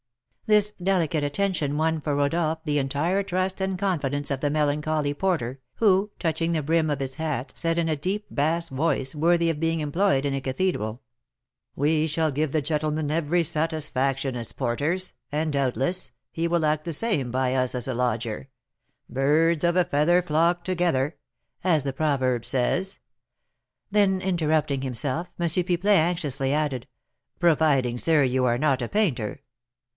This delicate attention won for Rodolph the entire trust and confidence of the melancholy porter, who, touching the brim of his hat, said, in a deep bass voice worthy of being employed in a cathedral: "We shall give the gentleman every satisfaction as porters, and, doubtless, he will act the same by us as a lodger; 'birds of a feather flock together,' as the proverb says." Then, interrupting himself, M. Pipelet anxiously added, "Providing, sir, you are not a painter!"